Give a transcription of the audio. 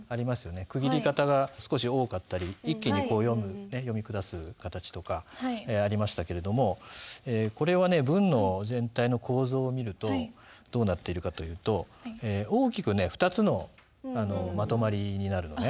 区切り方が少し多かったり一気にこう読む読み下す形とかありましたけれどもこれはね文の全体の構造を見るとどうなっているかというと大きくね２つのまとまりになるのね。